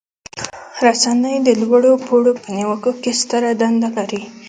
رسنۍ د لوړ پوړو په نیوکو کې ستره دنده لري.